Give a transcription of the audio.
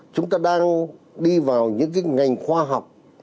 chúng ta đang đi vào những cái ngành khoa học